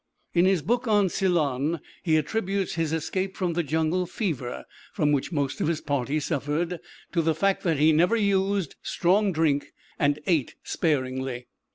In his book on Ceylon, he attributes his escape from the jungle fever, from which most of his party suffered, to the fact that he never used strong drink, and ate sparingly.